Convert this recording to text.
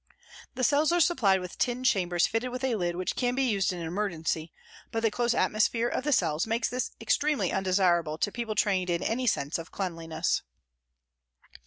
The cells are supplied with tin chambers fitted with a lid which can be used in an emergency, but the close atmosphere of the cells makes this extremely undesirable to people trained in any sense of cleanliness.